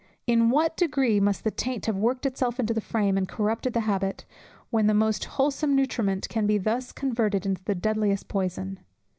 In what degree must the taint have worked itself into the frame, and have corrupted the habit, when the most wholesome nutriment can be thus converted into the deadliest poison!